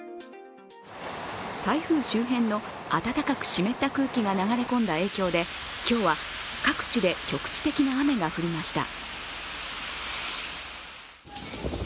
台風周辺の暖かく湿った空気が流れ込んだ影響で今日は各地で局地的な雨が降りました。